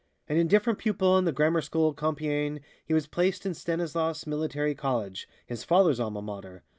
An indifferent pupil in the grammar school at Compiègne, he was placed in Stanislas Military College, his father's Alma Mater.